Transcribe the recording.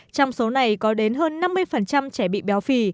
trong số này có đến hơn năm mươi trẻ bị béo phì